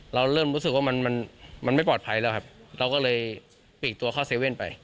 เราเริ่มรู้สึกว่ามันมันไม่ปลอดภัยแล้วครับเราก็เลยปีกตัวเข้าเว่นไป